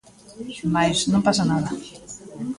Mais, non pasa nada.